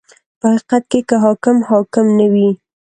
• په حقیقت کې که حاکم حاکم نه وي.